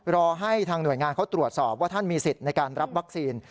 รอให้ทางหน่วยงานเขาตรวจสอบว่าท่านมีสิทธิ์ในการรับวัคซีน